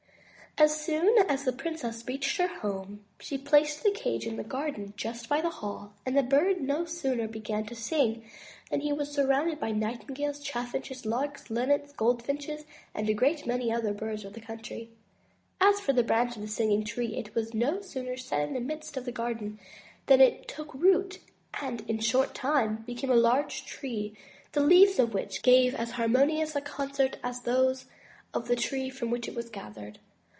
As soon as the princess reached home, she placed the cage in the garden just by the hall; and the Bird no sooner began to sing, than he was surrounded by nightingales, chaffinches, larks, linnets, goldfinches, and a great many other birds of the country. As for the branch of the Singing Tree, it was no sooner set in the midst of the garden than it took root, and in a short time became a large tree, the leaves of which gave as harmonious a concert as those of the tree from which it was gathered.